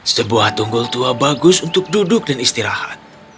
sebuah tunggul tua bagus untuk duduk dan istirahat